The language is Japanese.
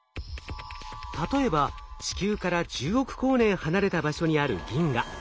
例えば地球から１０億光年離れた場所にある銀河。